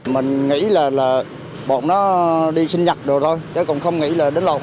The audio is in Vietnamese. mình nghĩ là bọn nó đi sinh nhật rồi thôi chứ không nghĩ là đến lộn